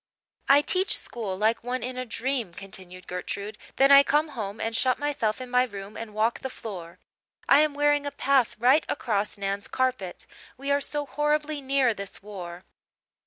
"I teach school like one in a dream," continued Gertrude; "then I come home and shut myself in my room and walk the floor. I am wearing a path right across Nan's carpet. We are so horribly near this war."